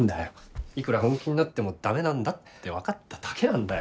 いくら本気になっても駄目なんだって分かっただけなんだよ。